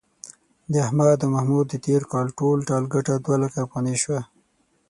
د احمد او محمود د تېر کال ټول ټال گټه دوه لکه افغانۍ شوه.